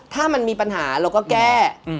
ถ้ามันมีปัญหาเราก็แก้